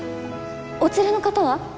お連れの方は？